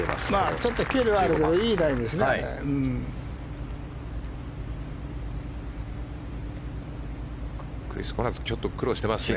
ちょっと距離はあるけどいいラインですよね。